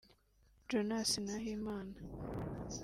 Jonas Nahimana